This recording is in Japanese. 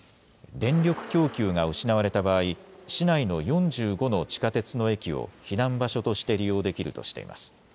電力供給が失われた場合、市内の４５の地下鉄の駅を避難場所として利用できるとしています。